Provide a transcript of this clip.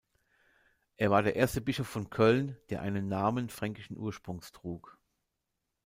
Er war der erste Bischof von Köln, der einen Namen fränkischen Ursprungs trug.